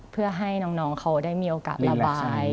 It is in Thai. เพื่อให้น้องเขาได้มีโอกาสระบาย